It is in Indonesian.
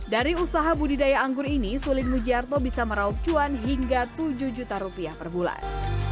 dari usaha budidaya anggur ini sulin mujiarto bisa meraup cuan hingga tujuh juta rupiah per bulan